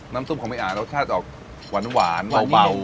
น้ำซุปของมีอ่านรสชาติออกหวานเบา